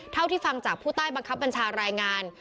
เท่าที่ฟังจากผู้ใต้บังคับบัญชารายงาน